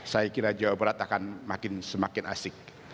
saya kira jawa barat akan semakin asik